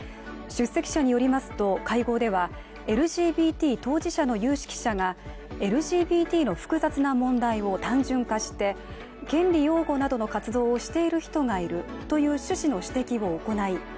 出席者によりますと会合ではＬＧＢＴ当事者の有識者がＬＧＢＴの複雑な問題を単純化して権利擁護などの活動をしている人がいるという趣旨の指摘を行い